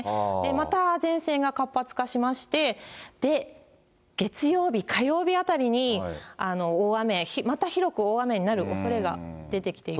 また前線が活発化しまして、月曜日、火曜日あたりに大雨、また広く大雨になるおそれが出てきています。